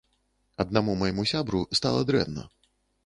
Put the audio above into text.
Аднаму майму сябру стала дрэнна.